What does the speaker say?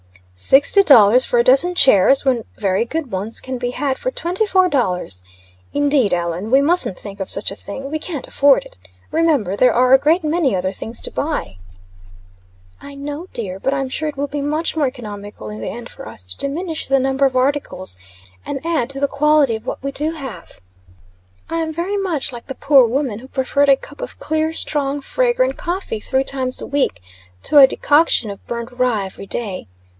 "Sixty dollars for a dozen chairs, when very good ones can be had for twenty four dollars! Indeed, Ellen, we mustn't think of such a thing. We can't afford it. Remember, there are a great many other things to buy." "I know, dear; but I am sure it will be much more economical in the end for us to diminish the number of articles, and add to the quality of what we do have. I am very much like the poor woman who preferred a cup of clear, strong, fragrant coffee, three times a week, to a decoction of burnt rye every day.